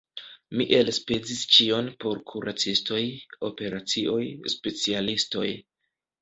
Mi elspezis ĉion por kuracistoj, operacioj, specialistoj.